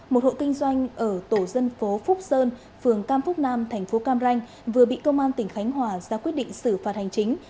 một hộ kinh doanh ở tổ dân phố phúc sơn phường cam phúc nam thành phố cam ranh vừa bị công an tỉnh khánh hòa ra quyết định xử phạt hành chính